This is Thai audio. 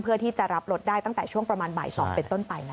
เพื่อที่จะรับรถได้ตั้งแต่ช่วงประมาณบ่าย๒เป็นต้นไปนะคะ